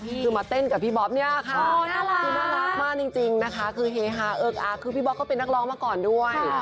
คือมาเต้นกับพี่บ๊อบเนี่ยค่ะน่ารักคือน่ารักมากจริงนะคะคือเฮฮาเอิกอากคือพี่บ๊อบก็เป็นนักร้องมาก่อนด้วย